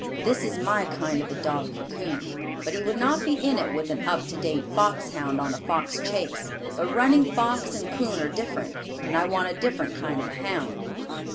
This is my kind of a dog for coon, but he would not be in it with an up to date fox hound on a fox chase, but running fox and coon are different, and I want a different kind of a hound.